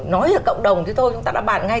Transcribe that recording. nói về cộng đồng thì thôi chúng ta đã bàn ngay